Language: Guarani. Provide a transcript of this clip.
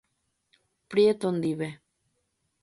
Prieto ndive.